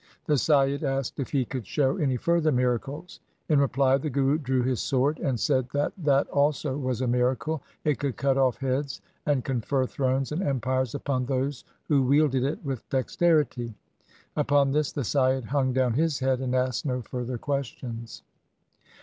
The Saiyid asked if he could show any further miracles. In reply the Guru drew his sword, and said that that also was a miracle. It could cut off heads and confer thrones and empires upon those who wielded it with dexterity. Upon this the Saiyid hung down his head and asked no further questions.